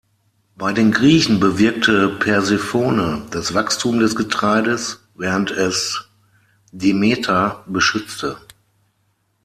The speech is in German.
Bei den Griechen bewirkte Persephone das Wachstum des Getreides, während es Demeter beschützte.